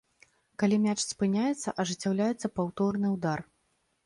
Калі мяч спыняецца ажыццяўляецца паўторны ўдар.